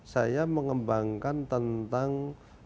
saya mengembangkan tentang